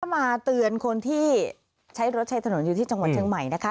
มาเตือนคนที่ใช้รถใช้ถนนอยู่ที่จังหวัดเชียงใหม่นะคะ